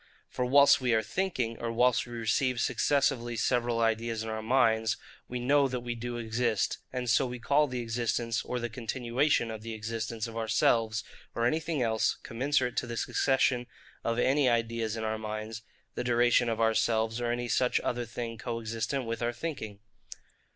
For whilst we are thinking, or whilst we receive successively several ideas in our minds, we know that we do exist; and so we call the existence, or the continuation of the existence of ourselves, or anything else, commensurate to the succession of any ideas in our minds, the duration of ourselves, or any such other thing co existent with our thinking.